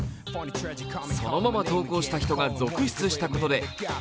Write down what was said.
そのまま投稿した人が続出したことでＳＯＵＬ’ｄＯＵＴ